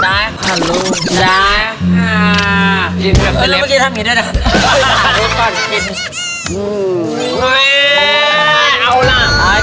บางทีทำนี้ได้ด้วย